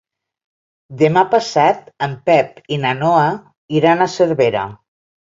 Demà passat en Pep i na Noa iran a Cervera.